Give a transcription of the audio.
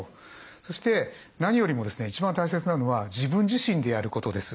そして何よりもですね一番大切なのは自分自身でやることです。